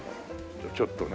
じゃあちょっとね。